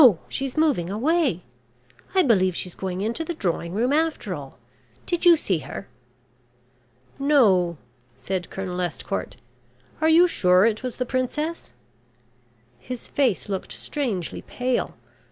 She's moving away. I believe she's going into the drawing room after all. Did you see her?" "No," said Colonel Estcourt. "Are you sure it was the princess?" His face looked strangely pale.